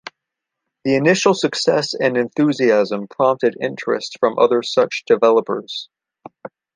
The initial success and enthusiasm prompted interest from other such developers.